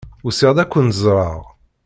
Usiɣ-d ad kent-ẓreɣ.